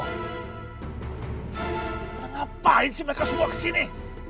kenapa mereka semua kesini